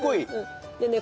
でね